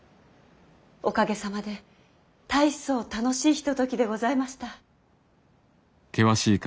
おかげさまで大層楽しいひとときでございました。